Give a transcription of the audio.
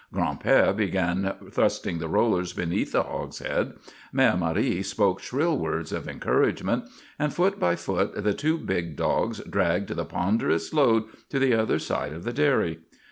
Gran'père began thrusting the rollers beneath the hogshead, Mère Marie spoke shrill words of encouragement, and foot by foot the two big dogs dragged the ponderous load to the other side of the dairy.